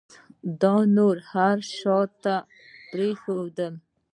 ده نور هر څه شاته پرېښودل.